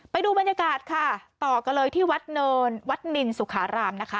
ไปดูบรรยากาศค่ะต่อกันเลยที่วัดเนินวัดนินสุขารามนะคะ